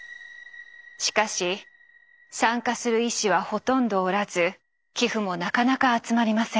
しかし参加する医師はほとんどおらず寄付もなかなか集まりません。